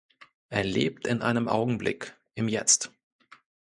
Er lebt in einem Augenblick, im Jetzt.